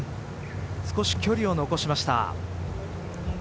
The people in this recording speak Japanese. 少し距離を残しました。